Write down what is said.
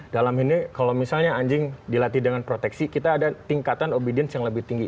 dalam ini kalau misalnya anjing dilatih dengan proteksi kita ada tingkatan obedience yang lebih tinggi